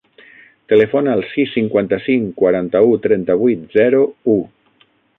Telefona al sis, cinquanta-cinc, quaranta-u, trenta-vuit, zero, u.